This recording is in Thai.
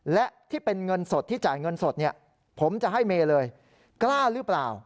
และที่เป็นเงินสดที่จ่ายเงินสดเนี่ยผมจะให้เมย์เลยกล้าหรือเปล่า